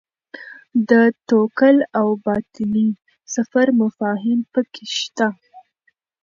د توکل او باطني سفر مفاهیم پکې شته.